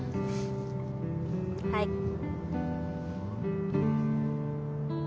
はい。